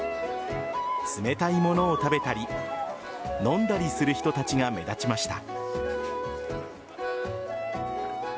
冷たいものを食べたり飲んだりする人たちが目立ちました。